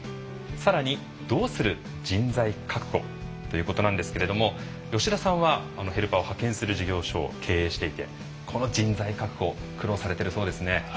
さらに、どうする？人材確保ということなんですけれども吉田さんはヘルパーを派遣する事業所を経営していて、この人材確保苦労されているそうですね。